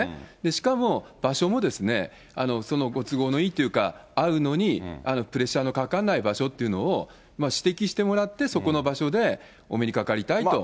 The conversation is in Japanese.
しかも、場所もそのご都合のいいっていうか、会うのにプレッシャーのかからない場所というのを指摘してもらって、そこの場所でお目にかかりたいと。